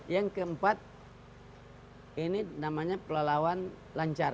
yang keempat ini namanya pelelawan lancar